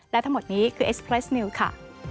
และทั้งหมดนี้คือเอสเพลสนิวค่ะ